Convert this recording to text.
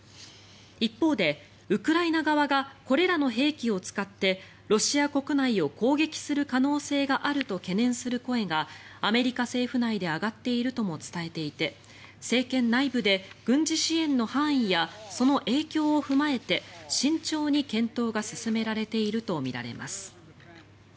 一方で、ウクライナ側がこれらの兵器を使ってロシア国内を攻撃する可能性があると懸念する声がアメリカ政府内で上がっているとも伝えていて政権内部で軍事支援の範囲やその影響を踏まえて慎重に検討が進められているとみられます。